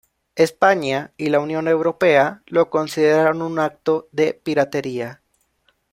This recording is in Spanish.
España y la Unión Europea lo consideraron un acto de piratería.